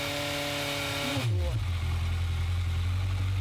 Muzluot.